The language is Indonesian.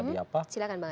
silahkan bang arief